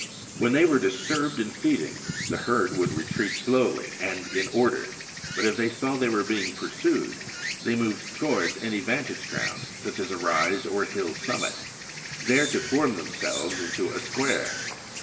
When they were disturbed in feeding, the herd would retreat slowly and in order; but if they saw they were being pursued, they moved towards any vantage ground, such as a rise or hill summit, there to form themselves into a square.